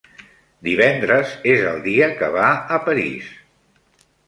Divendres és el dia que va a París.